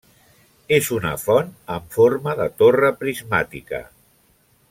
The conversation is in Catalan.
És una font amb forma de torre prismàtica.